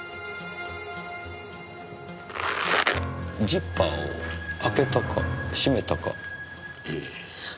「」ジッパーを開けたか閉めたか。